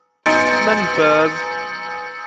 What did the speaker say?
من فاز ؟